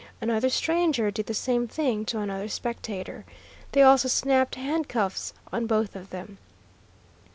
Another stranger did the same thing to another spectator. They also snapped handcuffs on both of them.